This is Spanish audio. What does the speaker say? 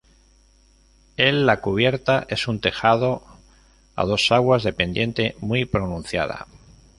El la cubierta es un tejado a dos aguas de pendiente muy pronunciada.